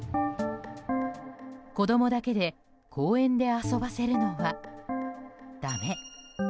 子供だけで公園で遊ばせるのはだめ。